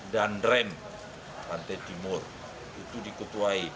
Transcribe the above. dan kepenting perusahaan ksire apresiasi